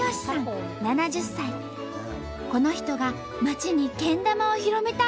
この人が町にけん玉を広めたんだって！